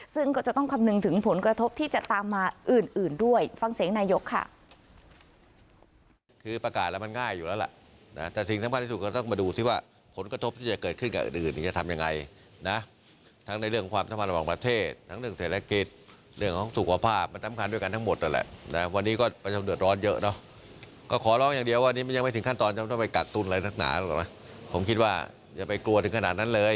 ซึ่งก็จะต้องคำนึงถึงผลกระทบที่จะตามมาอื่นด้วยฟังเสียงนายกค่ะ